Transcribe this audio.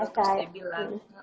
terus dia bilang